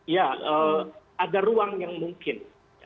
ya ada ruang yang mungkin